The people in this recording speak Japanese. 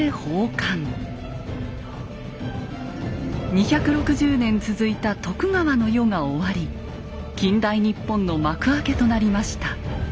２６０年続いた徳川の世が終わり近代日本の幕開けとなりました。